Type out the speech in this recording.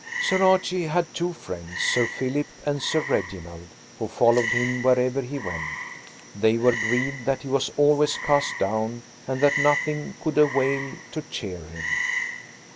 '" Sir Archie had two friends, Sir Philip and Sir Reginald, who followed him wherever he went. They were grieved that he was always cast down and that nothing could avail to cheer him.